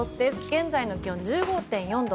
現在の気温は１５．４度。